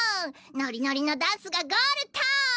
ノリノリのダンスがゴールトーン！